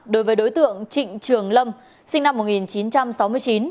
đối với đối tượng trịnh trường lâm sinh năm một nghìn chín trăm sáu mươi chín